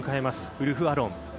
ウルフ・アロン。